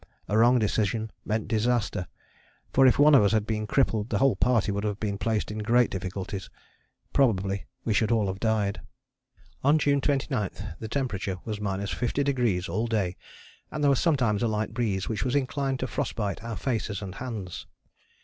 A wrong decision meant disaster, for if one of us had been crippled the whole party would have been placed in great difficulties. Probably we should all have died. On June 29 the temperature was 50° all day and there was sometimes a light breeze which was inclined to frost bite our faces and hands.